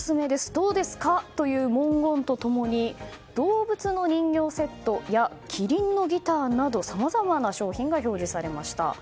どうですか？という文言と共に動物の人形セットやキリンのギターなどさまざまな商品が表示されました。